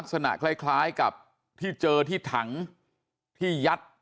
แล้วก็ยัดลงถังสีฟ้าขนาด๒๐๐ลิตร